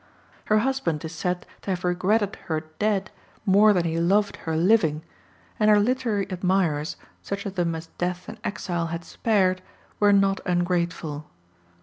Her husband is said to have regretted her dead more than he loved her living, and her literary admirers, such of them as death and exile had spared, were not ungrateful.